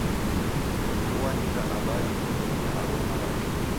Mndu oandika habari onughia agho malagho.